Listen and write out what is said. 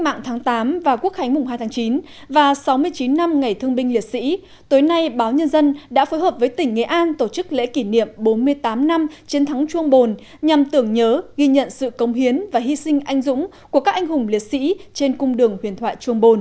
mạng tháng tám và quốc khánh mùng hai tháng chín và sáu mươi chín năm ngày thương binh liệt sĩ tối nay báo nhân dân đã phối hợp với tỉnh nghệ an tổ chức lễ kỷ niệm bốn mươi tám năm chiến thắng chuông bồn nhằm tưởng nhớ ghi nhận sự công hiến và hy sinh anh dũng của các anh hùng liệt sĩ trên cung đường huyền thoại trung bồn